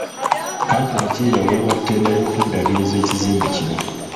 Kkampuni ki eyaweebwa ttenda ey'okuddaabiriza ekizimbe kino?